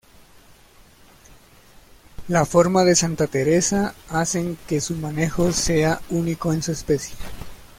La forma de Santa Teresa hacen que su manejo sea único en su especie.